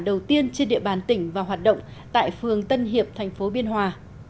đầu tiên trên địa bàn tỉnh và hoạt động tại phường tân hiệp tp biên hòa